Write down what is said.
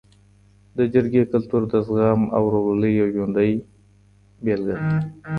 د جرګې کلتور د زغم او ورورولۍ یو ژوندی بېلګه ده.